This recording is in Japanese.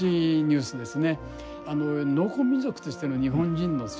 農耕民族としての日本人の生活